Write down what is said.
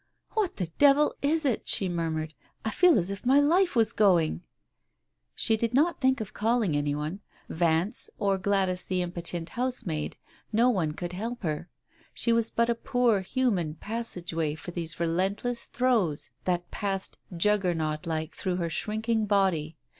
"What the divil is it?" she murmured. "I feel as if my life was going !" She did not think of calling any one — Vance or Gladys the impotent housemaid; no one could help her. She was but a poor human passage way for these relentless throes that passed Juggernaut like through her shrink ing body.